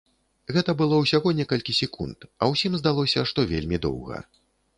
Гэта было ўсяго некалькі секунд, а ўсім здалося, што вельмі доўга.